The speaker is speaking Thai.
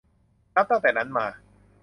นับตั้งแต่นั้นมา